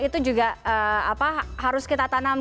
itu juga apa harus kita berhubungan dengan itu